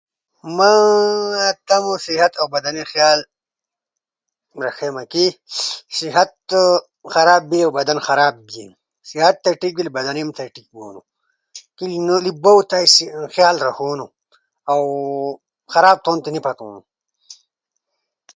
ما تمو صحت اؤ بدنی خیال رݜیما کے؟ صحت خراب بیلو بدن خراب بینو۔ صحت تا ٹیک بینی بدنی ہم تا ٹیک بونو۔ کے بدنی بو تی خیال رݜونو۔ اؤ خراب تھونو تی نی پھتما۔